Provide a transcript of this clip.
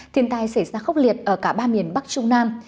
thiên tai xảy ra khốc liệt ở cả ba miền bắc trung nam